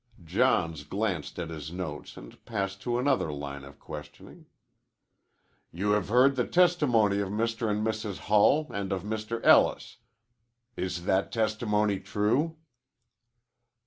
Johns glanced at his notes and passed to another line of questioning. "You have heard the testimony of Mr. and Mrs. Hull and of Mr. Ellis. Is that testimony true?"